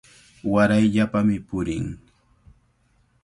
Warayllapami purin.